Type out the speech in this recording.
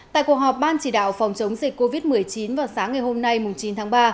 tại cuộc họp ban chỉ đạo phòng chống dịch covid một mươi chín vào sáng ngày hôm nay chín tháng ba